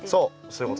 そう。